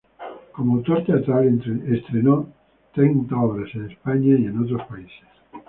Como autor teatral estrenó treinta obras en España y en otros países.